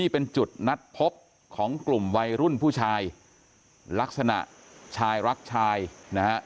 เป็นจุดนัดพบของกลุ่มวัยรุ่นผู้ชายลักษณะชายรักชายนะฮะ